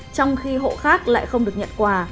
trong khi hộ khác lại không được nhận quà